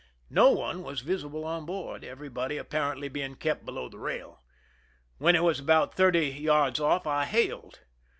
No one was visible on board, everybody apparently being kept below the rail. When it was about thirty yards off I hailed.